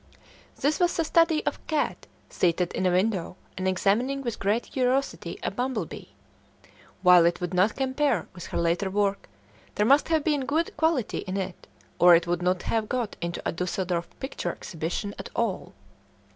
This was a study of a cat seated in a window and examining with great curiosity a bumblebee; while it would not compare with her later work, there must have been good quality in it, or it would not have got into a Dusseldorf picture exhibition at all.